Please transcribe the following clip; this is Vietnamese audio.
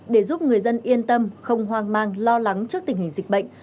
để giúp người dân yên tâm không hoang mang lo lắng trước tình hình dịch bệnh